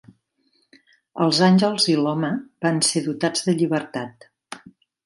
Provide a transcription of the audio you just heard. Els àngels i l'home van ser dotats de llibertat.